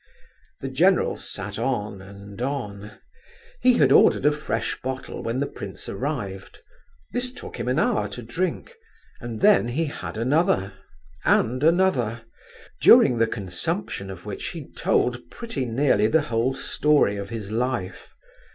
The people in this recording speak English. The general sat on and on. He had ordered a fresh bottle when the prince arrived; this took him an hour to drink, and then he had another, and another, during the consumption of which he told pretty nearly the whole story of his life.